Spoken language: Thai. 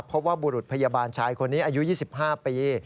พบบุรุษพยาบาลชายคนนี้อายุ๒๕ปี